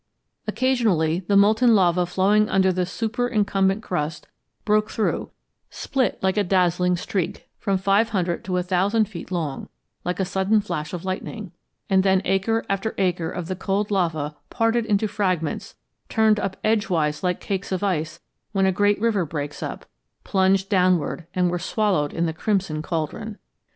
"Occasionally, the molten lava flowing under the superincumbent crust broke through split a dazzling streak, from five hundred to a thousand feet long, like a sudden flash of lightning, and then acre after acre of the cold lava parted into fragments, turned up edgewise like cakes of ice when a great river breaks up, plunged downward, and were swallowed in the crimson caldron.